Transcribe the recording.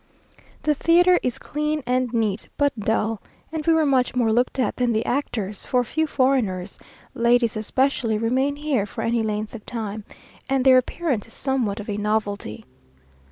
The theatre is clean and neat, but dull, and we were much more looked at than the actors, for few foreigners (ladies especially) remain here for any length of time, and their appearance is somewhat of a novelty.